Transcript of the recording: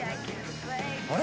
あれ？